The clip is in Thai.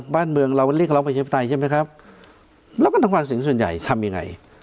บ้านเมืองเราเรียกร้องประชาธิปไตยใช่ไหมครับแล้วก็ต้องฟังเสียงส่วนใหญ่ทำยังไง